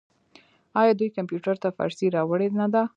آیا دوی کمپیوټر ته فارسي راوړې نه ده؟